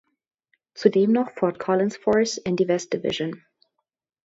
Zudem noch Fort Collins Force in die West Division.